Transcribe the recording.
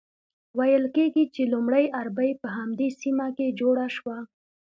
ویل کیږي چې لومړۍ اربۍ په همدې سیمه کې جوړه شوه.